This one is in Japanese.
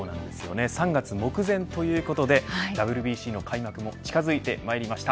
３月目前ということでＷＢＣの開幕も近づいてまいりました。